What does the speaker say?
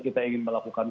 kita ingin melakukan